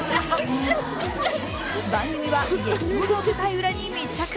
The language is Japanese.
番組が激闘の舞台裏に密着。